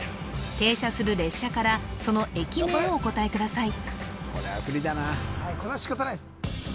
停車する列車からその駅名をお答えください